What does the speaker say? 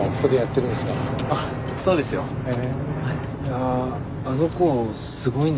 ああ。